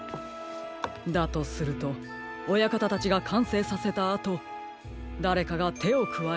だとすると親方たちがかんせいさせたあとだれかがてをくわえたのでしょう。